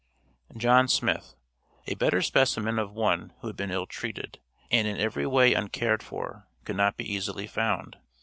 John Smith. A better specimen of one who had been ill treated, and in every way uncared for, could not be easily found.